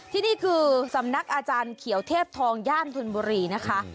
ที่นี่คือสำนักอาจารย์เขียวเทพทองย่านธนบุรีนะคะ